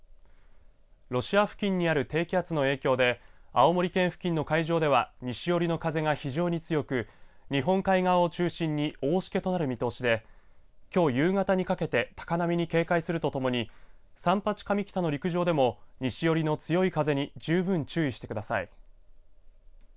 ロシア付近にある低気圧の影響で青森県付近の海上では西寄りの風が非常に強く日本海側を中心に大しけとなる見通しできょう夕方にかけて高波に警戒するとともに三八上北の陸上でも西よりの強い風に十分注意してください。